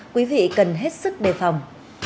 quý vị cần hết sức đề phòng